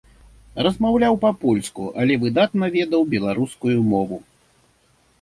Размаўляў па-польску, але выдатна ведаў беларускую мову.